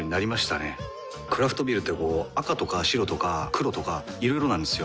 クラフトビールってこう赤とか白とか黒とかいろいろなんですよ。